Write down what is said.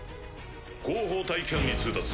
後方待機班に通達。